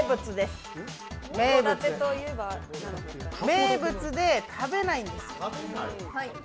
名物で、食べないんですよ